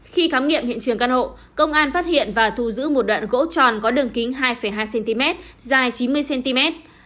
khi khám nghiệm hiện trường căn hộ công an phát hiện và thu giữ một đoạn gỗ tròn có đường kính hai hai cm dài chín mươi cm